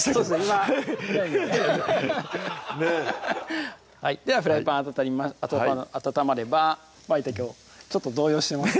今いないですねではフライパン温り温ま温まればまいたけをちょっと動揺してます